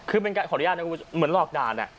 ขออนุญาตนะคุณผู้ชมเหมือนหลอกด่าน